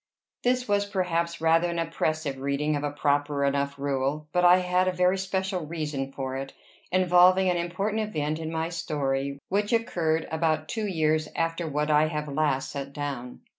This was, perhaps, rather an oppressive reading of a proper enough rule; but I had a very special reason for it, involving an important event in my story, which occurred about two years after what I have last set down.